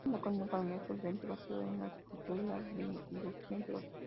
Cuenta con una economía solvente, basada en la agricultura y la agroindustria, entre otras.